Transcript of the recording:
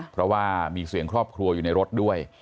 เพราะว่ามีเสียงครอบครัวอยู่ในรถด้วย